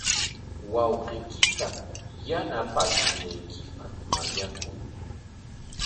Wawqiykita yanapashunaykipaq mañakuy.